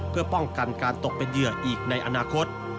เพื่อป้องกันการตกเป็นเหยื่ออีกในอนาคต